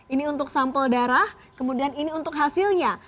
ini untuk sampel darah kemudian ini untuk hasilnya